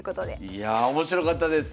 いや面白かったです！